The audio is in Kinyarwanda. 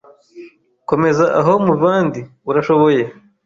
komeeza aho muvandi urashoboye